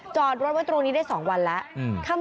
จอดรถไว้ตรงนี้ได้๒วันแล้ว